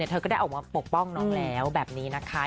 เธอก็ได้ออกมาปกป้องน้องแบบนี้แน้น